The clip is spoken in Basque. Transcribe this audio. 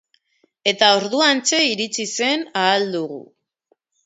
Eta orduantxe iritsi zen Ahal Dugu.